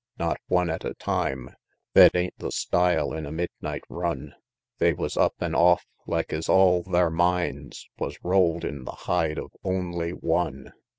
not one at a time, Thet ain't the style in a midnight run, They wus up an' off like es all thair minds Wus roll'd in the hide of only one!